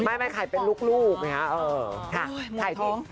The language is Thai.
ไม่ไข่เป็นลูกนะครับค่ะไข่ที่หมดท้อง